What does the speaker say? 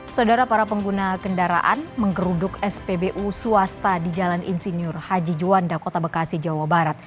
saudara para pengguna kendaraan menggeruduk spbu swasta di jalan insinyur haji juanda kota bekasi jawa barat